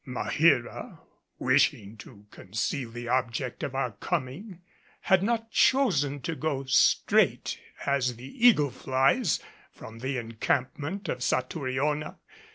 Maheera, wishing to conceal the object of our coming, had not chosen to go straight as the eagle flies from the encampment of Satouriona.